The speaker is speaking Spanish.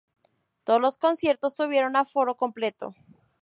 Todos los conciertos tuvieron aforo completo.